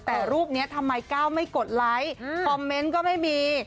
แต่รูปนี้ทำไมก้าวไม่กดไลค์คอมเมนต์ก็ไม่มี